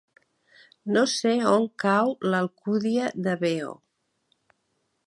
No sé on cau l'Alcúdia de Veo.